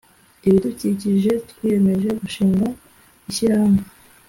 ibidukikije twiyemeje gushinga ishyirahamwe